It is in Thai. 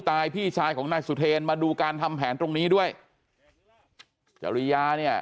พี่ชายของนายสุเทรนมาดูการทำแผนตรงนี้ด้วยจริยาเนี่ย